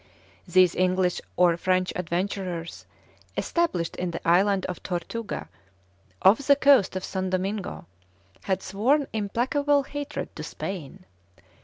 These English or French adventurers, established in the Island of Tortuga, off the coast of San Domingo, had sworn implacable hatred to Spain.